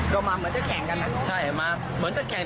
ก็มาเหมือนจะแข่งกันอ่ะใช่มาเหมือนจะแข่ง